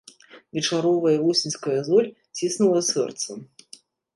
Вечаровая восеньская золь ціснула сэрца.